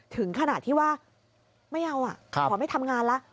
ถึงขนาดที่ว่าไม่เอาขอไม่ทำงานแล้ว